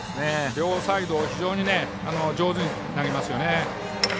両サイド非常に上手に投げますね。